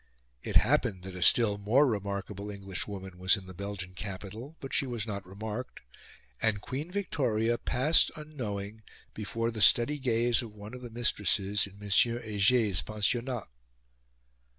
It happened that a still more remarkable Englishwoman was in the Belgian capital, but she was not remarked; and Queen Victoria passed unknowing before the steady gaze of one of the mistresses in M. Heger's pensionnat.